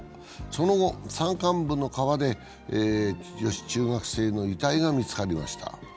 その後、山間部の川で女子中学生の遺体が見つかりました。